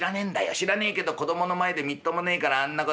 知らねえけど子供の前でみっともねえからあんなこと。